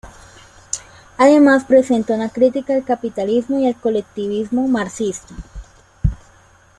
Además presenta una crítica al capitalismo y al colectivismo marxista.